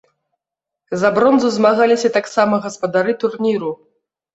За бронзу змагаліся таксама гаспадары турніру.